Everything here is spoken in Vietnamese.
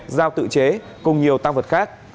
dao tự chế cùng nhiều tang vật khác